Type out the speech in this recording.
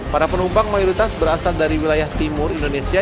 para penumpang mayoritas berasal dari wilayah timur indonesia